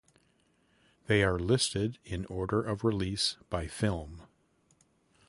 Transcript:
They are listed in order of release by film.